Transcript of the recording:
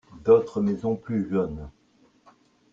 D'autres maisons plus jaunes.